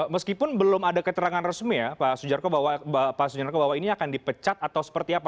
meskipun belum ada keterangan resmi ya pak sujarko bahwa ini akan dipecat atau seperti apa